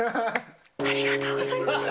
ありがとうございます。